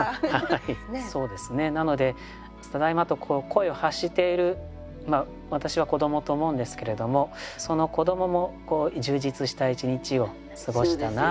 そうですねなので「ただいま」と声を発している私は子どもと思うんですけれどもその子どもも充実した一日を過ごしたなという感じなんでしょうかね。